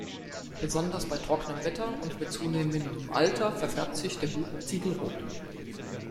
Besonders bei trockenem Wetter und mit zunehmendem Alter verfärbt sich der Hut ziegelrot.